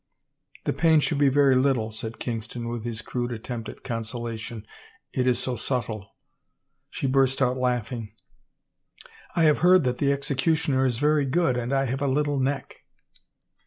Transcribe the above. " The pain should be very little," said Kingston with his crude attempt at consolation, " it is so subtle." She burst out laughing, " I have heard the executioner is very good and I have a little neck."